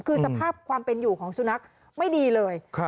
คือสภาพความเป็นอยู่ของสุนัขไม่ดีเลย